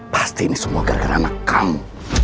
pasti ini semua gara gara anak kamu